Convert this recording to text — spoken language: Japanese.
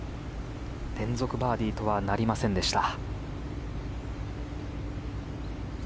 連続バーディーとはなりませんでした。